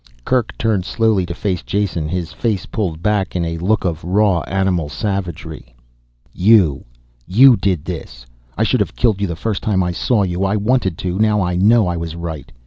Kerk turned slowly to face Jason, his face pulled back in a look of raw animal savagery. "You ! You did it! I should have killed you the first time I saw you. I wanted to, now I know I was right.